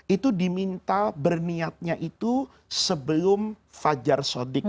itu diminta berniatnya itu sebelum fajar sodik